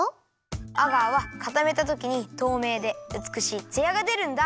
アガーはかためたときにとうめいでうつくしいツヤがでるんだ。